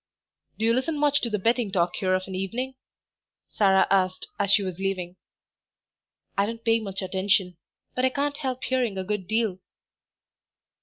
"Do you listen much to the betting talk here of an evening?" Sarah asked, as she was leaving. "I don't pay much attention, but I can't help hearing a good deal."